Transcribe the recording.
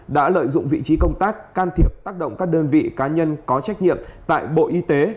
đã lợi dụng vị trí công tác can thiệp tác động các đơn vị cá nhân có trách nhiệm tại bộ y tế